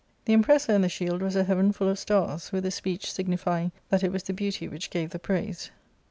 The impressa in the shield was a heaven full of stars, with a speech signifying that it was the beauty which gave the praise.